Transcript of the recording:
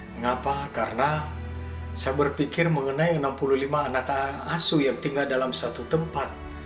mengapa karena saya berpikir mengenai enam puluh lima anak asuh yang tinggal dalam satu tempat